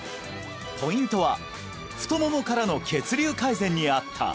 ポイントは太ももからの血流改善にあった！